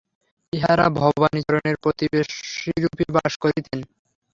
ইঁহারা ভবানীচরণের প্রতিবেশীরূপে বাস করিতেন।